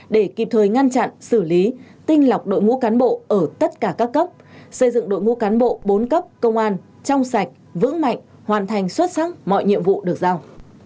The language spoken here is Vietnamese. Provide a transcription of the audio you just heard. để kịp thời ngăn chặn xử lý tinh lọc đội ngũ cán bộ ở tất cả các cấp xây dựng đội ngũ cán bộ bốn cấp công an trong sạch vững mạnh hoàn thành xuất sắc mọi nhiệm vụ được giao